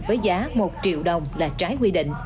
với giá một triệu đồng là trái quy định